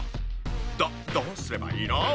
どどうすればいいの？